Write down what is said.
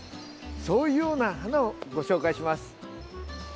そういうような花をご紹介します。